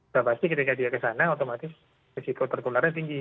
sudah pasti ketika dia ke sana otomatis risiko tertularnya tinggi